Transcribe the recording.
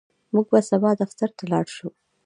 موږ به سبا دفتر ته لاړ شو.